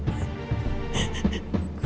ku yang takut